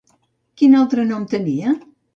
Quin altre nom tenia?